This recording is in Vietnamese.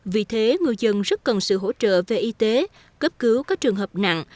vì thế ngư dân rất cần sự hỗ trợ về y tế cấp cứu các trường hợp nặng